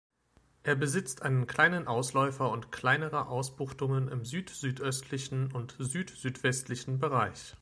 Er besitzt einen kleinen Ausläufer und kleinere Ausbuchtungen im süd-südöstlichen und süd-südwestlichen Bereich.